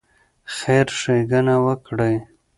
خیر ښېګڼه وکړئ.